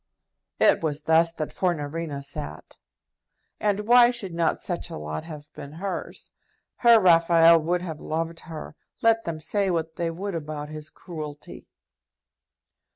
It was thus that Fornarina sat. And why should not such a lot have been hers? Her Raphael would have loved her, let them say what they would about his cruelty.